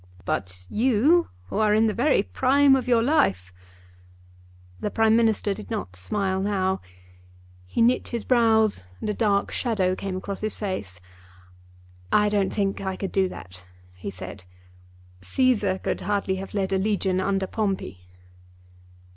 But you, who are in the very prime of your life " The Prime Minister did not smile now. He knit his brows and a dark shadow came across his face. "I don't think I could do that," he said. "Cæsar could hardly have led a legion under Pompey."